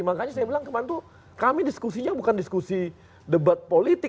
makanya saya bilang kemarin tuh kami diskusinya bukan diskusi debat politik